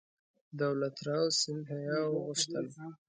دولت راو سیندهیا وغوښتل.